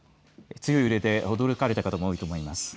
強い揺れで驚かれた方も多いと思います。